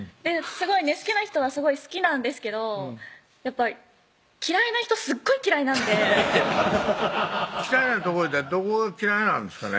好きな人は好きなんですけどやっぱり嫌いな人すっごい嫌いなんで嫌いなとこいうたらどこが嫌いなんですかね